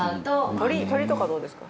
鶏鶏とかどうですか？